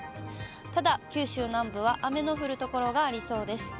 ただ、九州南部は雨の降る所がありそうです。